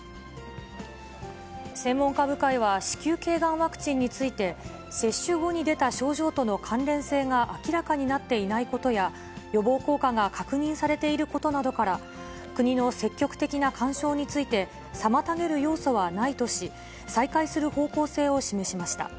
専門家部会は、子宮けいがんワクチンについて、接種後に出た症状との関連性が明らかになっていないことや、予防効果が確認されていることなどから、国の積極的な勧奨について、妨げる要素はないとし、再開する方向性を示しました。